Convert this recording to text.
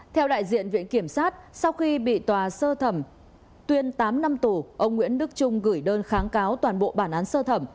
theo đại diện viện kiểm sát sau khi bị tòa sơ thẩm tuyên tám năm tù ông nguyễn đức trung gửi đơn kháng cáo toàn bộ bản án sơ thẩm